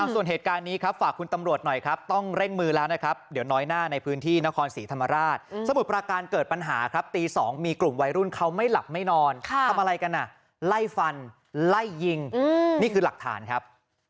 ส่วนเหตุการณ์นี้ครับฝากคุณตำรวจหน่อยครับต้องเร่งมือแล้วนะครับเดี๋ยวน้อยหน้าในพื้นที่นครศรีธรรมราชสมุทรปราการเกิดปัญหาครับตี๒มีกลุ่มวัยรุ่นเขาไม่หลับไม่นอนทำอะไรกันอ่ะไล่ฟันไล่ยิงนี่คือหลักฐานครับ